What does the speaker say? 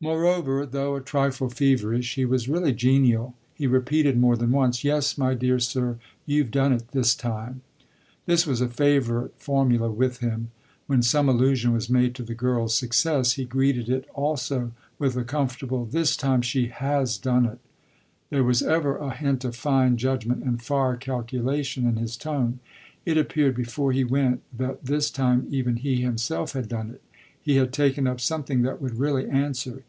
Moreover, though a trifle feverish, he was really genial; he repeated more than once, "Yes, my dear sir, you've done it this time." This was a favourite formula with him; when some allusion was made to the girl's success he greeted it also with a comfortable "This time she has done it." There was ever a hint of fine judgement and far calculation in his tone. It appeared before he went that this time even he himself had done it he had taken up something that would really answer.